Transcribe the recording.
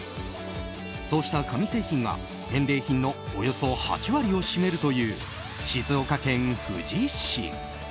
そうした紙製品が返礼品のおよそ８割を占めるという静岡県富士市。